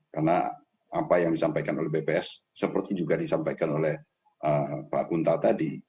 karena apa yang disampaikan oleh bps seperti juga disampaikan oleh pak gunta tadi